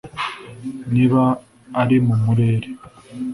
niba ari mu murere